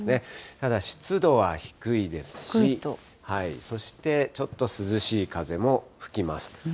ただ湿度は低いですし、そして、ちょっと涼しい風も吹きます。